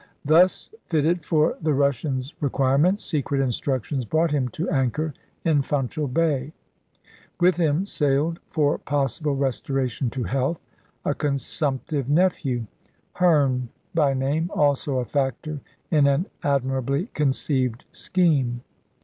Thus fitted for the Russian's requirements, secret instructions brought him to anchor in Funchal Bay. With him sailed, for possible restoration to health, a consumptive nephew, Herne by name, also a factor in an admirably conceived scheme.